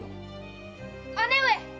姉上！